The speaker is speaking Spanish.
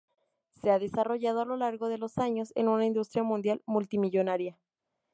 Se ha desarrollado a lo largo de los años en una industria mundial multimillonaria.